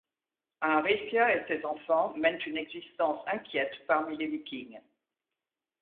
Aaricia et ses enfants mènent une existence inquiète parmi les Vikings.